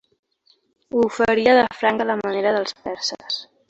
Ho oferiria de franc, a la manera dels perses.